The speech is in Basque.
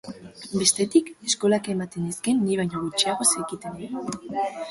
Bestetik, eskolak ematen nizkien ni baino gutxiago zekitenei.